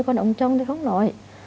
còn ông chồng thì không nói